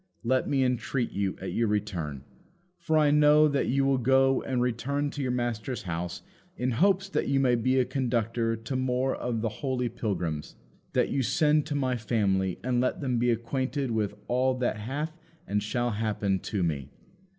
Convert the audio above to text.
Let me entreat you, at your return (for I know that you will go and return to your master's house in hopes that you may be a conductor to more of the holy pilgrims), that you send to my family and let them be acquainted with all that hath and shall happen to me.